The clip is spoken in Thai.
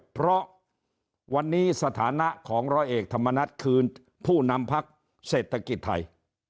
เพราะวันนี้สถานะของร้อยเอกธรรมนัฐคือผู้นำพักเศรษฐกิจไทย